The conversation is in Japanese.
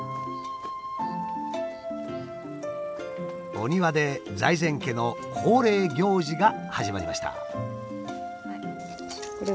お庭で財前家の恒例行事が始まりました。